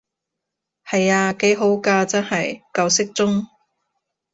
係啊，幾好㗎真係，夠適中